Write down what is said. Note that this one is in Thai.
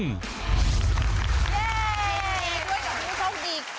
อบเตียงมาด้วยผู้โชคดี